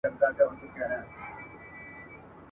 کارګان به په تور مخ وي زموږ له باغ څخه وتلي ..